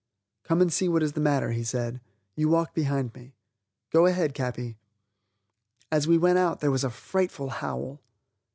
"Come and see what is the matter," he said; "you walk behind me. Go ahead, Capi." As we went out there was a frightful howl.